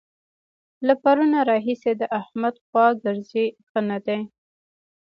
له پرونه راهسې د احمد خوا ګرځي؛ ښه نه دی.